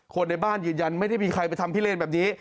ในบ้านยืนยันไม่ได้มีใครไปทำพิเลนแบบนี้